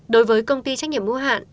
đối với công ty trách nhiệm mưu hạn